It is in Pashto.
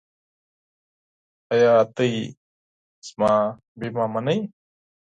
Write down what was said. ایا تاسو زما بیمه منئ؟